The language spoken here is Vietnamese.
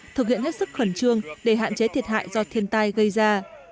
thực hiện hết sức khẩn trương để hạn chế thiệt hại do thiên tai gây ra